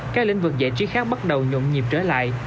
các lĩnh vực giải trí khác bắt đầu nhộn nhịp trở lại